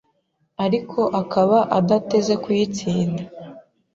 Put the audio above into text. ariko akaba adateze kuyitsinda